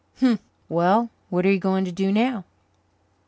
"Humph! Well, what are you going to do now?"